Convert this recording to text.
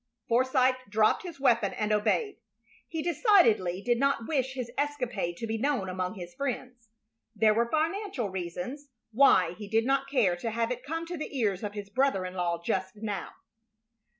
Forsythe dropped his weapon and obeyed. He decidedly did not wish his escapade to be known among his friends. There were financial reasons why he did not care to have it come to the ears of his brother in law just now.